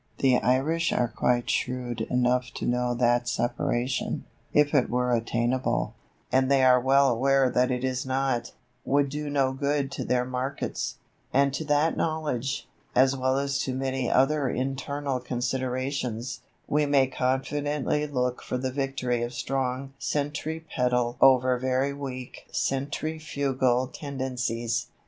The Irish are quite shrewd enough to know that Separation, if it were attainable and they are well aware that it is not would do no good to their markets; and to that knowledge, as well as to many other internal considerations, we may confidently look for the victory of strong centripetal over very weak centrifugal tendencies.